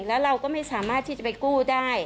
แล้วเราก็ไม่สามารถที่จะไปกู้ได้